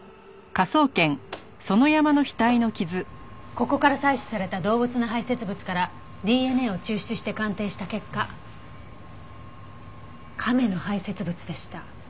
ここから採取された動物の排泄物からＤＮＡを抽出して鑑定した結果亀の排泄物でした。